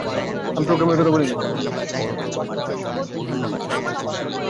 আমি প্রোগ্রামের কথা বলিনি।